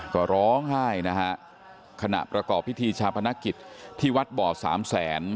ก็ร้องไห้นะฮะขณะประกอบพิธีชาพนักกิจที่วัดบ่อสามแสน